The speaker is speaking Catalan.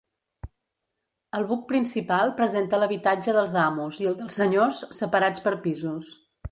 El buc principal presenta l’habitatge dels amos i el dels senyors separats per pisos.